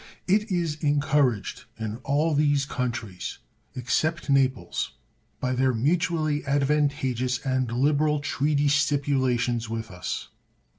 It is encouraged in all these countries, except Naples, by their mutually advantageous and liberal treaty stipulations with us.